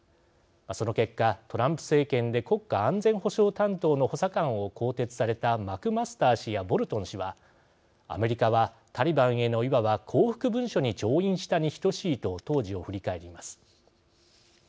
その結果、トランプ政権で国家安全保障担当の補佐官を更迭されたマクマスター氏やボルトン氏はアメリカはタリバンへのいわば降伏文書に調印したに等しいと当時を振り返ります。